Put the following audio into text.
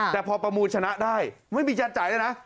แต่พอประมูลชนะได้ไม่มีการจ่ายเลยนะ